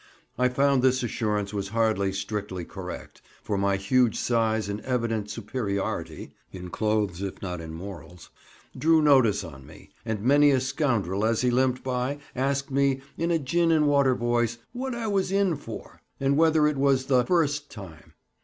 I found this assurance was hardly strictly correct, for my huge size and evident superiority (in clothes if not in morals) drew notice on me; and many a scoundrel as he limped by asked me, in a gin and water voice, what I was "in for," and whether it was the "first" time.